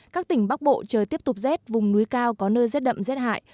các tỉnh bắc bộ trời tiếp tục rét vùng núi cao có nơi rét đậm rét hại